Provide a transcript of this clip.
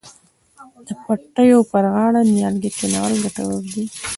د پټیو پر غاړه نیالګي کینول ګټور دي.